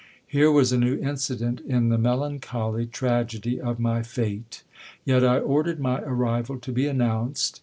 Here was a new incident in the melancholy tragedy of my fate. Yet I ordered my arrival to be announced.